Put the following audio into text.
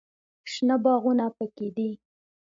شنه باغونه پکښې دي.